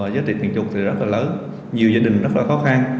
giá trị tiền chuộc thì rất là lớn nhiều gia đình rất là khó khăn